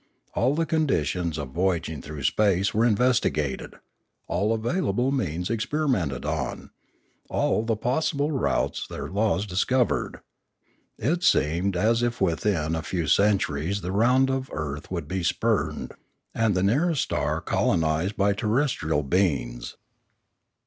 All the conditions of voy aging through space were investigated, all available means experimented on, all the possible routes and their laws discovered. It seemed as if within a few centuries the round of the earth would be spurned, and the nearest star colonised by terrestrial beings.